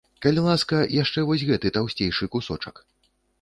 Калі ласка, яшчэ вось гэты таўсцейшы кусочак.